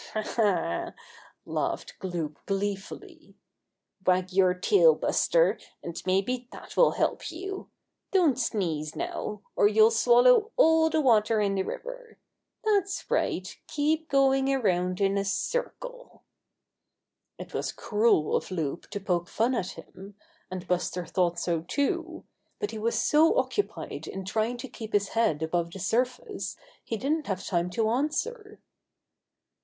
"Ha ! Ha !" laughed Loup gleefully. "Wag your tail, Buster, and maybe that will help you I Don't sneeze now, or you'll swallow all the water in the river. That's right, keep go ing around in a circle." It was cruel of Loup to poke fun at him, and Buster thought so too, but he was so occupied in trying to keep his head above the surface he didn't have time to answer.